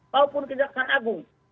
maupun kejaksaan agung